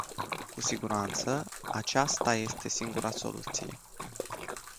Cu siguranță aceasta este singura soluție.